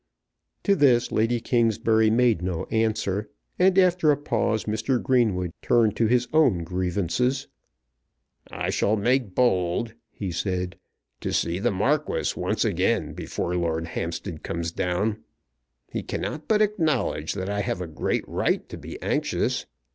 To this Lady Kingsbury made no answer; and after a pause Mr. Greenwood turned to his own grievances. "I shall make bold," he said, "to see the Marquis once again before Lord Hampstead comes down. He cannot but acknowledge that I have a great right to be anxious.